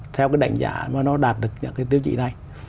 theo cái đảnh giá mà nó đạt được những cái tiêu chỉ này